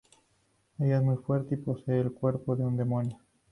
Ella es muy fuerte y posee el cuerpo de un demonio.